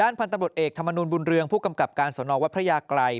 พันธุ์ตำรวจเอกธรรมนูลบุญเรืองผู้กำกับการสนวัดพระยากรัย